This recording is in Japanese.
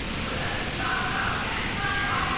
だったらテニサーに入りなよ！